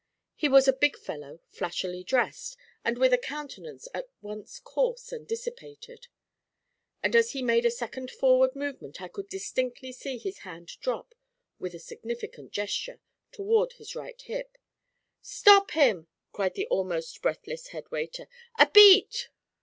He was a big fellow, flashily dressed, and with a countenance at once coarse and dissipated; and as he made a second forward movement I could distinctly see his hand drop, with a significant gesture, toward his right hip. 'Stop him!' cried the almost breathless head waiter. 'A beat.'